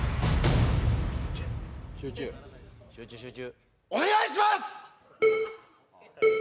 ・集中集中集中お願いします！